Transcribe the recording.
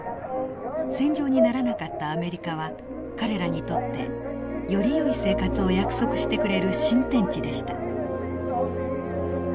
戦場にならなかったアメリカは彼らにとってよりよい生活を約束してくれる新天地でした。